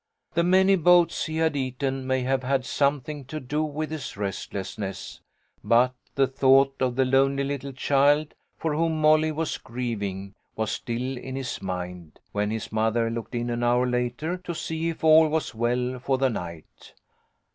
The many boats he had eaten may have had something to do with his restlessness, but the thought of the lonely little child for whom Molly was grieving was still in his mind, when his mother looked in an hour later, to see if all was well for the night.